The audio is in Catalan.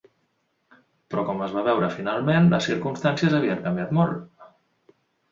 Però, com es va veure finalment, les circumstàncies havien canviat molt.